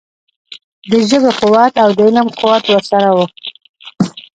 د ژبې قوت او د علم قوت ورسره وو.